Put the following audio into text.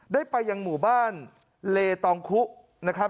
ได้ไปยังหมู่บ้านเลตองคุนะครับ